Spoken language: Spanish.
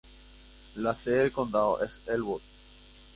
La sede del condado es Elwood.